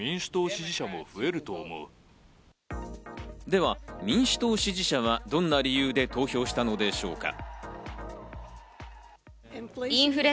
では、民主党支持者はどんな理由で投票したのでしょうか。